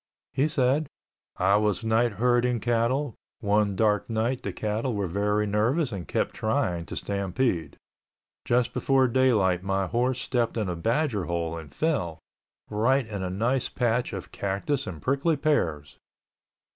He said, "I was night herding cattle. One dark night the cattle were very nervous and kept trying to stampede. Just before daylight my horse stepped in a badger hole and fell—right in a nice patch of cactus and prickly pears!"